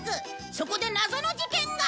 そこで謎の事件が